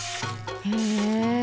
へえ！